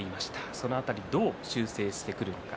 その辺りどう修正してくるのか。